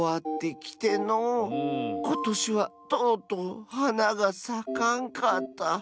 ことしはとうとうはながさかんかった。